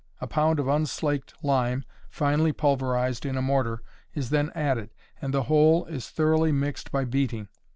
A pound of unslaked lime, finely pulverized in a mortar, is then added, and the whole is thoroughly mixed by beating.